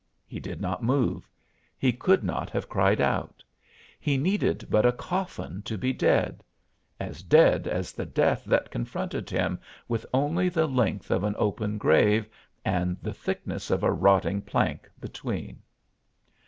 He did not move; he could not have cried out. He needed but a coffin to be dead as dead as the death that confronted him with only the length of an open grave and the thickness of a rotting plank between.